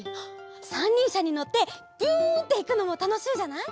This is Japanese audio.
しゃにのってビュンっていくのもたのしいじゃない？